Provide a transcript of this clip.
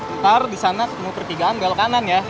ntar di sana ketemu ketiga ambil kanan ya